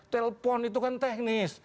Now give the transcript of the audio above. telepon itu kan teknis